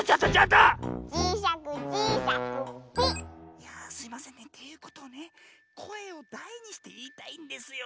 いやあすいませんねっていうことでこえをだいにしていいたいんですよ。